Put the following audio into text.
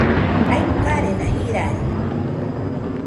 aikarena jirari